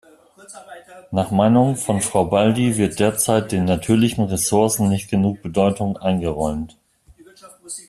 Nach Meinung von Frau Baldi wird derzeit den natürlichen Ressourcen nicht genug Bedeutung eingeräumt.